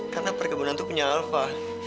karena perkebunan itu punya alva